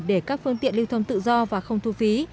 để các phương tiện lưu thông tự do và không thu phí